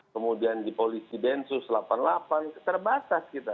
kemudian di polisi densus delapan puluh delapan terbatas kita